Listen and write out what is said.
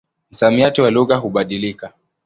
Msamiati wa lugha hubadilika.